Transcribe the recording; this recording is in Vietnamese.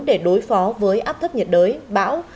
để đối phó với áp thấp nhiệt đới bão